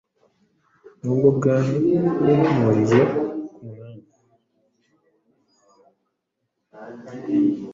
n'ubwo bwari buhuriye ku mwami.